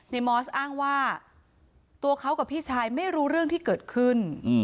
มอสอ้างว่าตัวเขากับพี่ชายไม่รู้เรื่องที่เกิดขึ้น